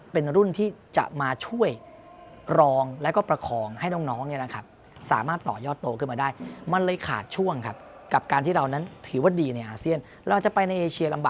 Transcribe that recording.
เป็นรุ่นที่จะมาช่วยรองแล้วก็ประคองให้น้องน้องเนี่ยนะครับ